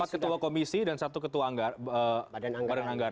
empat ketua komisi dan satu ketua badan anggaran